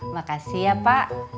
makasih ya pa